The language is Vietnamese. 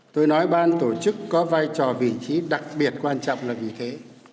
tôi nói ban tổ chức có vai trò vị trí đặc biệt quan trọng là vì thế